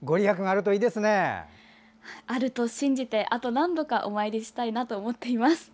あると信じて、あと何度かお参りしたいと思います。